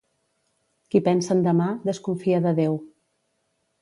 Qui pensa en demà, desconfia de Déu.